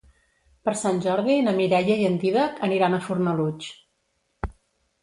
Per Sant Jordi na Mireia i en Dídac aniran a Fornalutx.